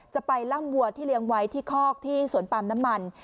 ไปล่ำวัวที่เลี้ยงไว้ที่คอกที่สวนปาล์มน้ำมัน